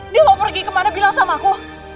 dia mau pergi ke mana bilang sama aku